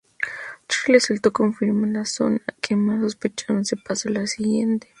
Charlie resultados confirman la zona que los sospechosos se pasa al siguiente.